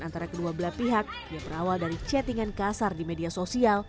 antara kedua belah pihak yang berawal dari chattingan kasar di media sosial